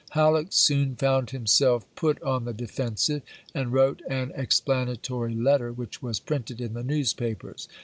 Halleck soon found him self put on the defensive, and wrote an explanatory letter which was printed in the newspapers.